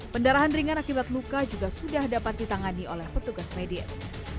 pendarahan ringan akibat luka juga sudah dapat ditangani oleh petugas medis